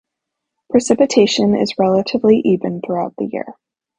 Precipitation is relatively even throughout the year.